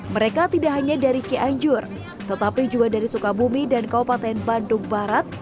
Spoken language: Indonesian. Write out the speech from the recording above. mereka tidak hanya dari cianjur tetapi juga dari sukabumi dan kabupaten bandung barat